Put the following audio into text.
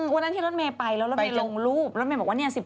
วันนั้นที่รถเมย์ไปแล้วรถเมย์ลงรูปรถเมย์บอกว่าเนี่ย